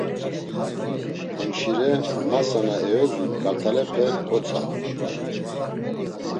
Hemşire, masa na eyozun kart̆alepe kotsadu.